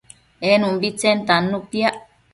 en umbitsen tannu piac